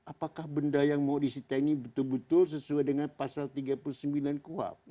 apakah benda yang mau disita ini betul betul sesuai dengan pasal tiga puluh sembilan kuhap